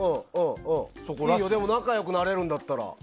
いいよ、でも仲良くなれるんだったら。